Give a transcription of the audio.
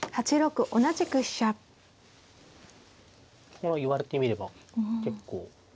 これも言われてみれば結構。